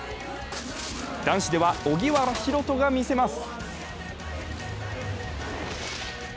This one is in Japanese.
男子では荻原大翔が見せます。